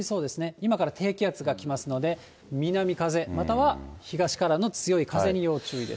今から低気圧が来ますので、南風、または東からの強い風に要注意です。